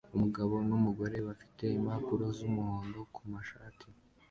Umugabo numugore bafite impapuro zumuhondo kumashati